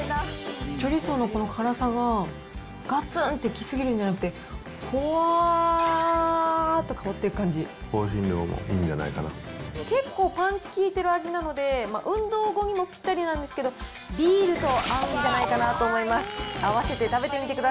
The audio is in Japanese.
チョリソーのこの辛さが、がつっとき過ぎるんじゃなくて、香辛料もいいんじゃないかな結構パンチ効いてる味なので、運動後にもぴったりなんですけど、ビールと合うんじゃないかなと思います。